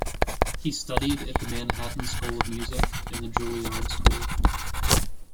He studied at the Manhattan School of Music and the Juilliard School.